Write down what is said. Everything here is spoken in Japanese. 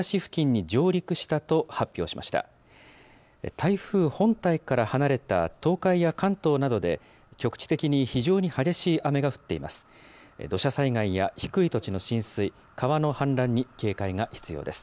台風本体から離れた東海や関東などで局地的に非常に激しい雨が降っています。